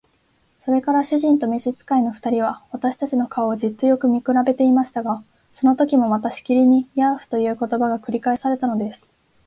それから主人と召使の二人は、私たちの顔をじっとよく見くらべていましたが、そのときもまたしきりに「ヤーフ」という言葉が繰り返されたのです。